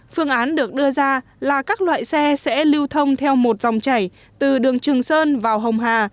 phương án được đưa ra là các loại xe sẽ lưu thông theo một dòng chảy từ đường trường sơn vào hồng hà